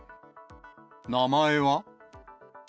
名前は。